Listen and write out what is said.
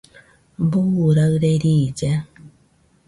¿Buu raɨre riilla?